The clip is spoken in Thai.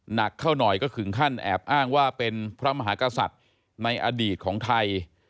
หนักเข้าหน่อยก็ถึงขั้นแอบอ้างว่าเป็นพระมหากษัตริย์ในอดีตของไทย